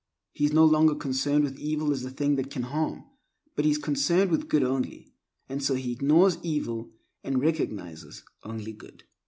He is no longer concerned with evil as a thing that can harm, but he is concerned with good only. And so he ignores evil and recognizes only good.